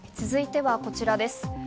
続いてはこちらです。